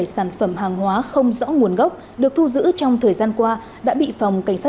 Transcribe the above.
ba nghìn bốn trăm năm mươi bảy sản phẩm hàng hóa không rõ nguồn gốc được thu giữ trong thời gian qua đã bị phòng cảnh sát